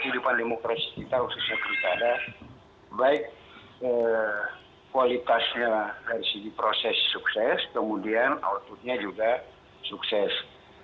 kehidupan demokrasi kita khususnya pilihan terhadap baik kualitasnya dari sisi proses sukses kemudian output nya juga sukses